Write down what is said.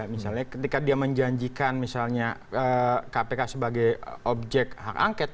misalnya ketika dia menjanjikan misalnya kpk sebagai objek hak angket